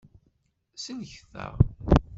Sellket-aɣ.